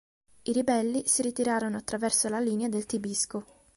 I ribelli si ritirarono attraverso la linea del Tibisco.